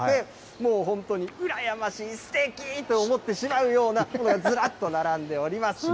もう本当に羨ましい、ステーキと思ってしまうような、ずらっと並んでおります。